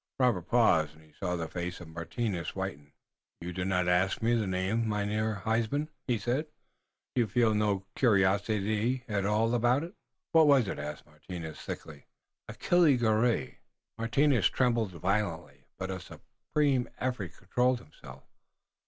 Robert paused, and he saw the face of Martinus whiten. "You do not ask me the name, Mynheer Martinus," he said. "Do you feel no curiosity at all about it?" "What was it?" asked Martinus, thickly. "Achille Garay." Martinus trembled violently, but by a supreme effort controlled himself.